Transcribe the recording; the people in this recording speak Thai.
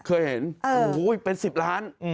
เคยเห็นโอ้โหเป็น๑๐ล้าน